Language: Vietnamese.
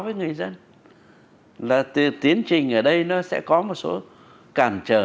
với người dân là từ tiến trình ở đây nó sẽ có một số cản trở